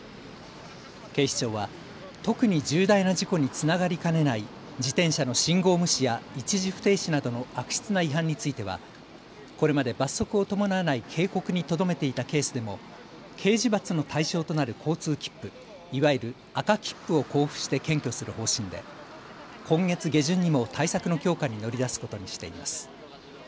警視庁は特に重大な事故につながりかねない自転車の信号無視や一時不停止などの悪質な違反についてはこれまで罰則を伴わない警告にとどめていたケースでも刑事罰の対象となる交通切符、いわゆる赤切符を交付して検挙する方針で今月下旬にも対策の強化に乗り出すことにしています。